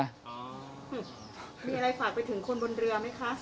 อืมมีอะไรฝากไปถึงคนบนเรือไหมคะ